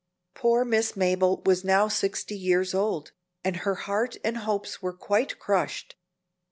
Poor Miss Mabel was now sixty years old, and her heart and hopes were quite crushed.